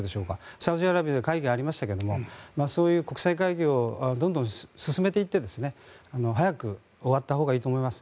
サウジアラビアで会議がありましたがそういう国際会議をどんどん進めていって早く終わったほうがいいと思います。